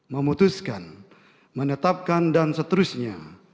memutuskan menetapkan dan seterusnya